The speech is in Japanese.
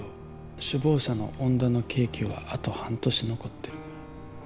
首謀者の恩田の刑期はあと半年残ってる